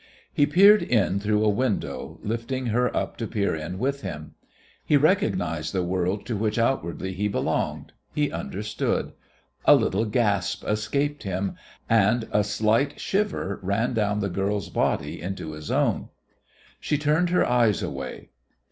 He peered in through a window, lifting her up to peer in with him. He recognised the world to which outwardly he belonged; he understood; a little gasp escaped him; and a slight shiver ran down the girl's body into his own. She turned her eyes away.